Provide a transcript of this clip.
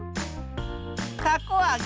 たこあげ。